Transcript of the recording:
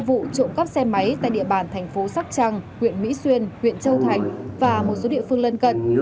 ba vụ trụ cấp xe máy tại địa bàn thành phố sóc trang huyện mỹ xuyên huyện châu thành và một số địa phương lân cận